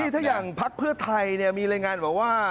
ถ้าอย่างพักเพื่อไทยมีรายงานบอกว่า